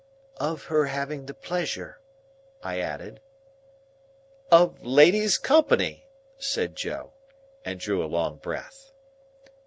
"Of her having the pleasure," I added. "Of ladies' company," said Joe. And drew a long breath.